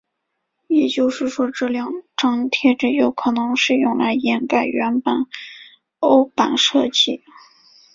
也就是说这两张贴纸有可能是用来掩盖原本的欧版设计。